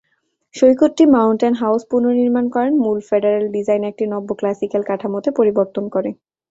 সৈকতটি mountain house পুনর্নির্মাণ করে, মূল ফেডারেল ডিজাইন একটি নব্য-ক্লাসিক্যাল কাঠামোতে পরিবর্তন করে।